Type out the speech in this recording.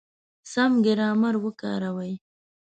سم ګرامر وکاروئ!.